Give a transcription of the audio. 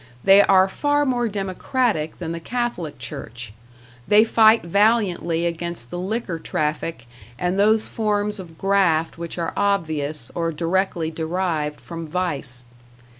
They are far more democratic than the Catholic Church; they fight valiantly against the liquor traffic and those forms of graft which are obvious, or directly derived from vice.